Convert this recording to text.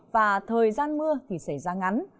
và thời gian mưa thì xảy ra ngắn